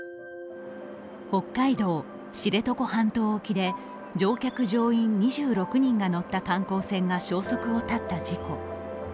北海道知床半島沖で乗客・乗員２６人が乗った観光船が消息を絶った事故。